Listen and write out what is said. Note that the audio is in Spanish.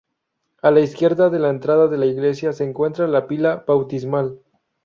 A la izquierda de la entrada de la iglesia se encuentra la pila bautismal.